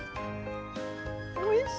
おいしい！